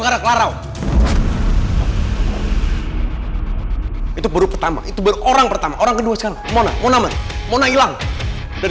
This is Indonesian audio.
gara gara itu baru pertama itu orang pertama orang kedua sekarang mona mona mona ilang dan